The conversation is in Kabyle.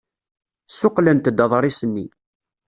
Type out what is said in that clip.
Ssuqqlent-d aḍris-nni.